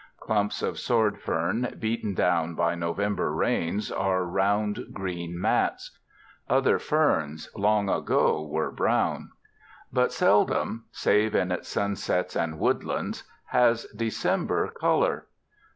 Clumps of sword fern, beaten down by November rains, are round green mats; other ferns long ago were brown. But seldom save in its sunsets and woodlands has December color.